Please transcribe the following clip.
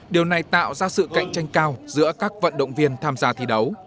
điều này tạo ra sự cạnh tranh cao giữa các vận động viên tham gia thi đấu